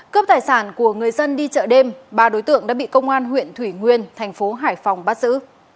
cướp tài sản của người dân đi chợ đêm ba đối tượng đã bị công an huyện thủy nguyên thành phố hải phòng bắt giữ